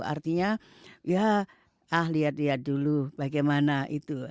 artinya ya ah lihat lihat dulu bagaimana itu